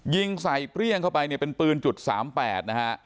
ยิงใส่เปรี้ยงเข้าไปเนี่ยเป็นปืนจุด๓๘นะฮะ